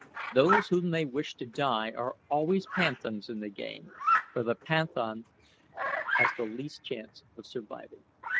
Those whom they wish to die are always Panthans in the game, for the Panthan has the least chance of surviving."